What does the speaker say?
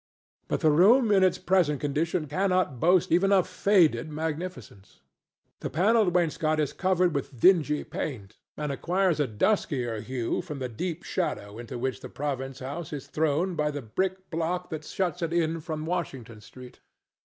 But the room in its present condition cannot boast even of faded magnificence. The panelled wainscot is covered with dingy paint and acquires a duskier hue from the deep shadow into which the Province House is thrown by the brick block that shuts it in from Washington street.